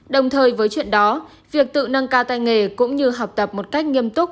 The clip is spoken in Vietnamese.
đồng thời với chuyện đó việc tự nâng cao tay nghề cũng như học tập một cách nghiêm túc